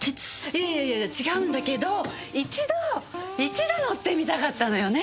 いやいやいやいや違うんだけど一度一度乗ってみたかったのよね。